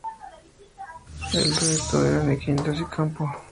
El resto eran quintas y campo.